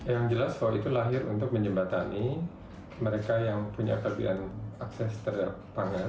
yang jelas foi itu lahir untuk menjembatani mereka yang punya kelebihan akses ke indonesia